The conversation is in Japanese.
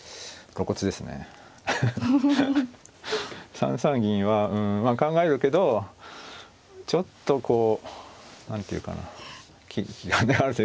３三銀はうんまあ考えるけどちょっとこう何ていうかな気兼ねがあるというか。